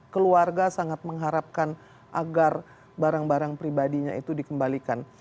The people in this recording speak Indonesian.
keluarga sangat mengharapkan agar barang barang pribadinya itu dikembalikan